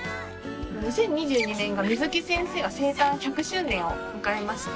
２０２２年が水木先生が生誕１００周年を迎えまして。